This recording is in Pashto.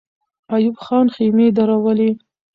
ایوب خان خېمې درولې.